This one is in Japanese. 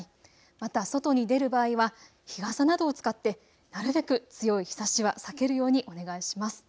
また外に出る場合は日傘などを使ってなるべく強い日ざしを避けるようにお願いします。